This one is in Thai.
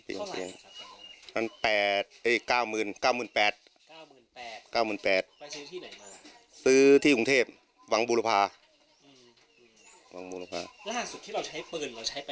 ล่าสุดที่เราใช้เปลืองเราใช้ไปเมื่อไหร่ครับ